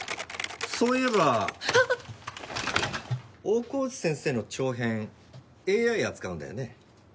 大河内先生の長編ＡＩ扱うんだよね？